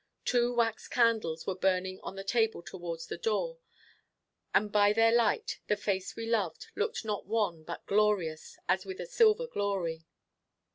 Two wax candles were burning on the table towards the door, and by their light the face we loved, looked not wan, but glorious, as with a silver glory.